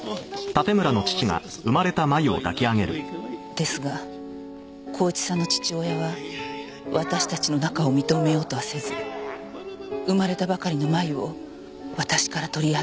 ですが孝一さんの父親は私たちの仲を認めようとはせず生まれたばかりの麻由を私から取り上げ。